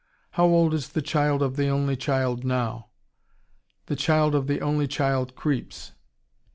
"How old is the child of the only child now?" "The child of the only child creeps."